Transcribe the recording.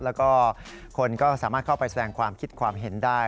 แล้วก็คนก็สามารถเข้าไปแสดงความคิดความเห็นได้